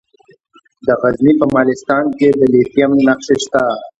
د غزني په مالستان کې د لیتیم نښې شته.